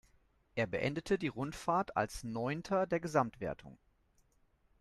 Er beendete die Rundfahrt als Neunter der Gesamtwertung.